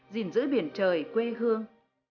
dình giữ biển trời quê hương